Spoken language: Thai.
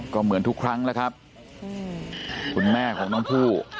ก็เหมือนทุกครั้งแล้วครับคุณแม่ของน้องผู้